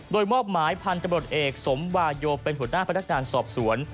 โดยมอบหมายพันธบทเอกสมวาโยเป็นหัวหน้าพนักงานสอบสวน